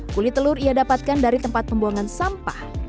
kulit telur ia dapatkan dari tempat pembuangan sampah